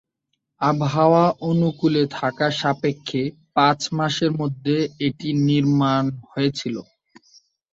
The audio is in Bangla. আবহাওয়া অনুকূলে থাকা সাপেক্ষে পাঁচ মাসের মধ্যে এটির নির্মাণ হয়েছিল।